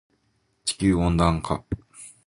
地球温暖化